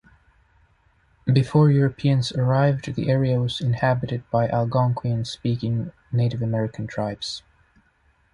Before Europeans arrived, the area was inhabited by Algonquian-speaking Native American tribes.